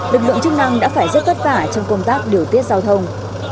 lực lượng chức năng đã phải rất vất vả trong công tác điều tiết giao thông